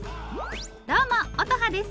どうも乙葉です！